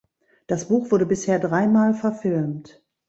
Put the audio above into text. Das Buch wurde bisher dreimal verfilmt.